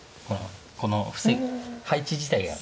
この配置自体が。